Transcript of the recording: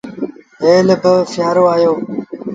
هيل با سيٚآرو آيو